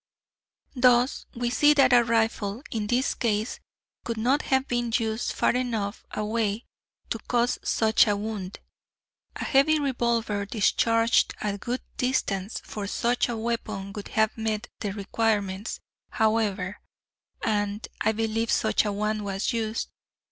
"Thus we see that a rifle in this case could not have been used far enough away to cause such a wound. A heavy revolver discharged at good distance for such a weapon would have met the requirements, however; and I believe such a one was used.